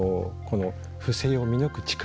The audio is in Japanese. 不正を見抜く力